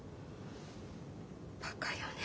バカよね